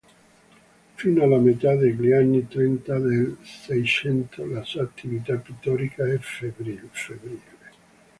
Fino alla metà degli anni Trenta del Seicento la sua attività pittorica è febbrile.